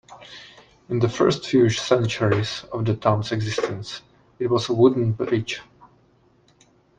In the first few centuries of the town's existence, it was a wooden bridge.